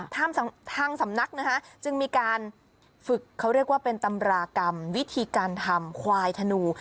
ทางสำนักนะคะจึงมีการฝึกเขาเรียกว่าเป็นตำรากรรมวิธีการทำควายธนู